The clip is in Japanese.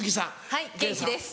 はい元気です。